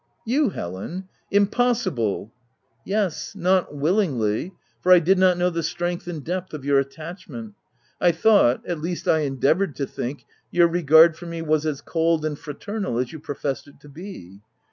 u You, Helen ? Impossible !"" Yes, not willingly ; for I did not know the strength and depth of your attachment — I thought — at least I endeavoured to think your regard for me was as cold and fraternal as you professed it to be."